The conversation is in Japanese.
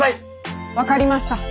分かりました。